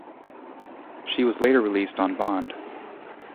She was later released on bond.